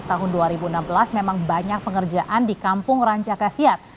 tahun dua ribu enam belas memang banyak pengerjaan di kampung rancakasiat